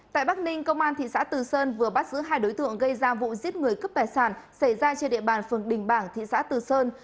tại bắc ninh công an thị xã từ sơn vừa bắt giữ hai đối tượng gây ra vụ giết người cướp tài sản xảy ra trên địa bàn phường đình bảng thị xã từ sơn